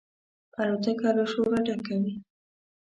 الوتکه له شوره ډکه وي.